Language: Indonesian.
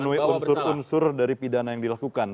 menuhi unsur unsur dari pidana yang dilakukan